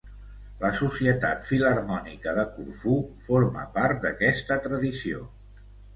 La Societat Filharmònica de Corfú forma part d'aquesta tradició.